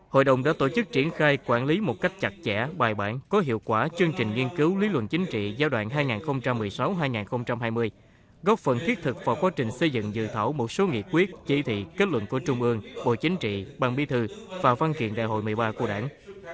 hội đồng đã tổ chức triển khai quản lý một cách chặt chẽ bài bản có hiệu quả chương trình nghiên cứu lý luận chính trị giai đoạn hai nghìn một mươi sáu hai nghìn hai mươi góp phần thiết thực vào quá trình xây dựng dự thảo một số nghị quyết chỉ thị kết luận của trung ương bộ chính trị ban bí thư và văn kiện đại hội một mươi ba của đảng